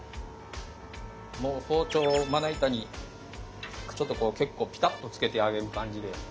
もう包丁をまな板にちょっと結構ピタッとつけてあげる感じで。